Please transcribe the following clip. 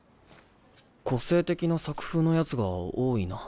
個性的な作風のヤツが多いな。